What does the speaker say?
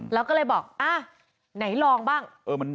แล้วก็เลยบอกไหนลองบ้าง